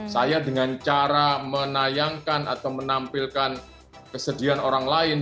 saya dengan cara menayangkan atau menampilkan kesedihan orang lain